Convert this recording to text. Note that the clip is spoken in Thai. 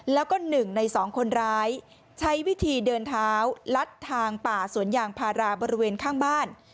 แล้วก็๑ใน๒คนร้ายใช้วิธีเดินเท้าลัดทางป่าสวนยางพาราบริเวณข้างบ้าน